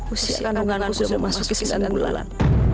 usia kandunganku sudah memasuki sembilan bulan